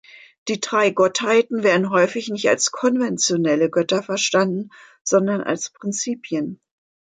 Die drei Gottheiten werden häufig nicht als konventionelle Götter verstanden, sondern als Prinzipien.